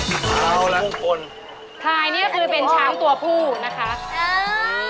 เอาละพลายสีพุงคนพลายนี่คือเป็นช้างตัวผู้นะครับอืม